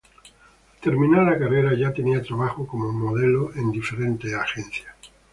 Al terminar la carrera ya tenía trabajo como modelo en varias agencias.